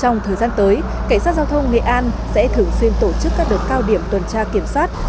trong thời gian tới cảnh sát giao thông nghệ an sẽ thường xuyên tổ chức các đợt cao điểm tuần tra kiểm soát